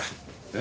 え？